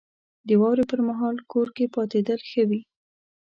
• د واورې پر مهال کور کې پاتېدل ښه وي.